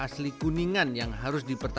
hmm tapi bayar gini aja